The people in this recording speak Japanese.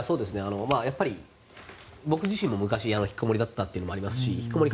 やっぱり、僕自身も昔引きこもりだったこともありますし引きこもり